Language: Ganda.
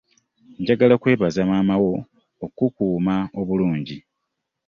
Njagala kwebaza maama wo okukukuuma obulungi.